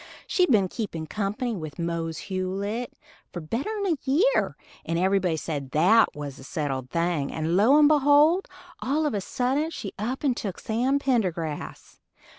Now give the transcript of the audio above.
She'd ben keepin' company with Mose Hewlitt, for better'n a year, and everybody said that was a settled thing, and lo and behold! all of a sudding she up and took Sam Pendergrass.